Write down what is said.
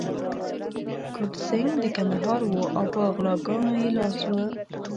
کرت سېنګ د کندهار وو او په غلاګانو يې لاس و.